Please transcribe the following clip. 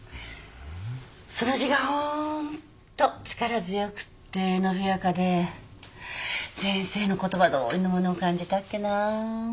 その字がホント力強くって伸びやかで先生の言葉どおりのものを感じたっけな。